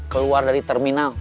keluar dari terminal